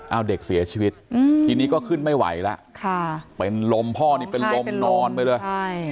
เอาเด็กเสียชีวิตทีนี้ก็ขึ้นไม่ไหวแล้วเป็นลมพ่อนี่เป็นลมนอนไปเลยใช่